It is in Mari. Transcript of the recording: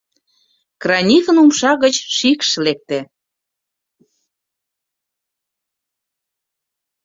Кранихын умша гыч шикш лекте.